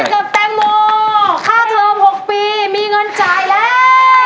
กับแตงโมค่าเทอม๖ปีมีเงินจ่ายแล้ว